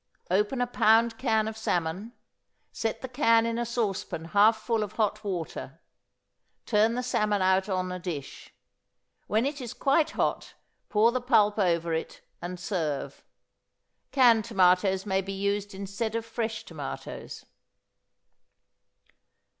Open a pound can of salmon; set the can in a saucepan half full of hot water, turn the salmon out on a dish. When it is quite hot, pour the pulp over it, and serve. Canned tomatoes may be used instead of fresh tomatoes.